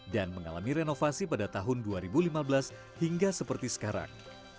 dan mengalami renovasi pada tahun dua ribu lima belas hingga seperti sekarang